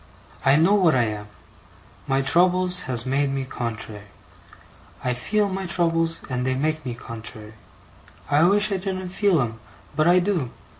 I know what I am. My troubles has made me contrary. I feel my troubles, and they make me contrary. I wish I didn't feel 'em, but I do.